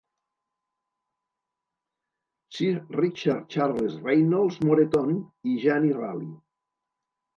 Sir Richard Charles Reynolds-Moreton i Janie Ralli.